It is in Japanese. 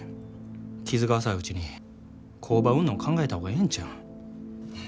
傷が浅いうちに工場売んの考えた方がええんちゃうん。